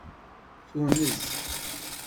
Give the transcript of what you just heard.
Tunez.